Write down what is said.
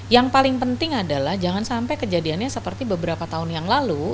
yang paling penting adalah jangan sampai kejadiannya seperti beberapa tahun yang lalu